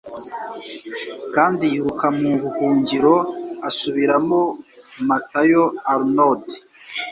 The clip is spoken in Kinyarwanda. Kandi yiruka mu buhungiro asubiramo Matayo Arnold: